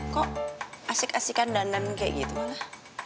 kok asik asikan dandan kayak gitu malah